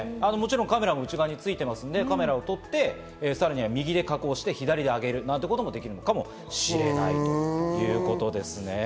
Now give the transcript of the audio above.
カメラも内側についているので、カメラで撮って右で加工して、左であげることもできるかもしれないということですね。